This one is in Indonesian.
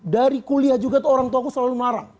dari kuliah juga tuh orang tua aku selalu marah